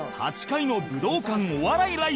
８回の武道館お笑いライブ